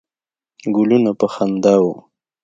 ګلونه په خندا وه.